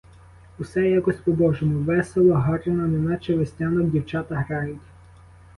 Все якось по-божому: весело, гарно, неначе веснянок дівчата грають.